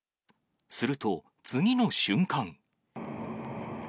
すると、次の瞬間。